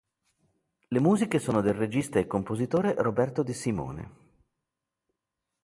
Le musiche sono del regista e compositore Roberto De Simone.